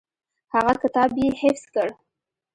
هغه کتاب یې حفظ کړ.